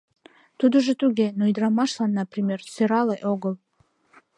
Тудыжо туге, но ӱдырамашлан, например, сӧрале огыл.